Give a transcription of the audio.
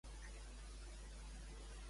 Qui va ser Tríopas?